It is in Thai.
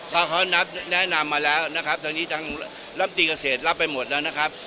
เขานับแนะนำมาแล้วนะครับทางร้ำตีเกษตรงเนิ่งรับไปหมดละนะครับ